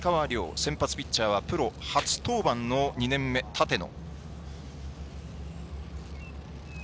先発ピッチャーはプロ初登板の２年目の立野。